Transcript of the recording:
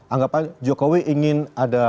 anggapan jokowi ingin ada